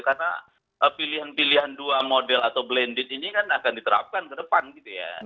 karena pilihan pilihan dua model atau blended ini kan akan diterapkan ke depan gitu ya